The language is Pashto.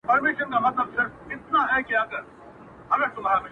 هر ماځيگر تبه’ هره غرمه تبه’